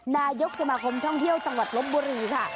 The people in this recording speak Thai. นายกสมาคมท่องเที่ยวจังหวัดลบบุรีค่ะ